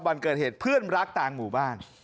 วันเกิดเหตุเพื่อนรักต่างหมู่บ้าน